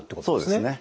そうですね。